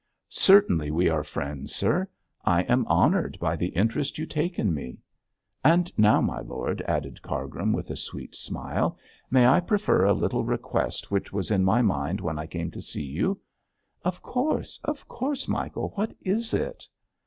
'Certainly we are friends, sir; I am honoured by the interest you take in me. And now, my lord,' added Cargrim, with a sweet smile, 'may I prefer a little request which was in my mind when I came to see you?' 'Of course! of course, Michael; what is it?'